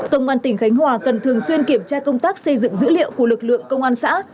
công an tỉnh khánh hòa cần thường xuyên kiểm tra công tác xây dựng dữ liệu của lực lượng công an xã